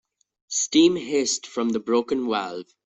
Steam hissed from the broken valve.